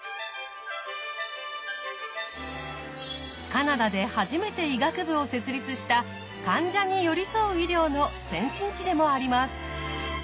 カナダで初めて医学部を設立した「患者に寄り添う医療」の先進地でもあります。